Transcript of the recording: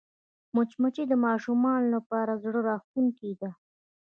مچمچۍ د ماشومانو لپاره زړهراښکونکې ده